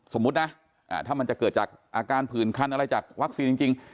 สมมุตินะถ้ามันจะเกิดจากอาการผื่นคันอะไรจากวัคซีนจริง